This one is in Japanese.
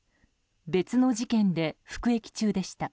別の事件で服役中でした。